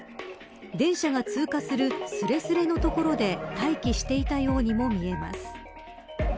電車が通過するすれすれの所で待機していたようにも見えます。